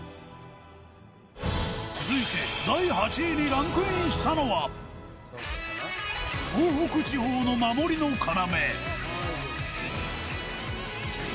続いて第８位にランクインしたのは東北地方の守りの要